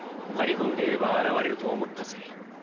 張り込んでいれば現れると思ったぜ。